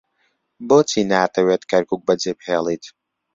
بۆچی ناتەوێت کەرکووک بەجێبهێڵێت؟